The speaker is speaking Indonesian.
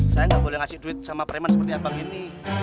saya gak boleh ngasih duit sama preman seperti abang ini